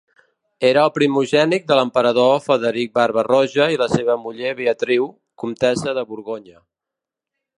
Era el primogènit de l'emperador Frederic Barba-roja i la seva muller Beatriu, comtessa de Borgonya.